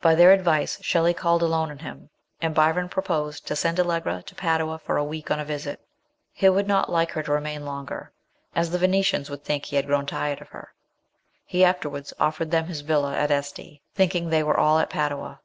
By their advice Shelley called alone on him, and Byron pro posed to send Allegra to Padua for a week on a visit ; he would not like her to remain longer, as the Vene 9 * 132 MRS. SHELLEY. tians would think he had grown tired of her. He afterwards offered them his villa at Este, thinking they were all at Padua.